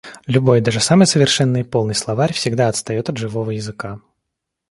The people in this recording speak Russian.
Любой даже самый совершенный и полный словарь всегда отстаёт от живого языка.